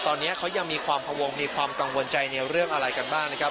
ตอนนี้เขายังมีความพวงมีความกังวลใจในเรื่องอะไรกันบ้างนะครับ